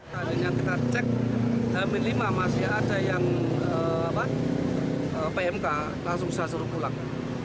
tadinya kita cek hamil lima masih ada yang pmk langsung saya suruh pulang